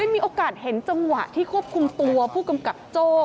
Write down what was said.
มีโอกาสเห็นจังหวะที่ควบคุมตัวผู้กำกับโจ้